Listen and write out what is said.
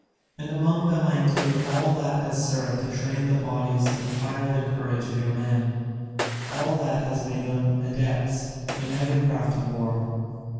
And among them I include all that has served to train the bodies and fire the courage of your men, all that has made them adepts in every craft of war.